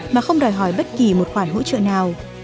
mà không đòi hỏi bất kỳ một khoản hỗ trợ nào